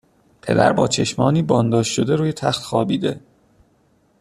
پدر با چشمانی بانداژ شده روی تخت خوابیده